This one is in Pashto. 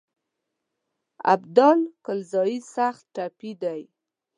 ابدال کلزايي سخت ټپي دی.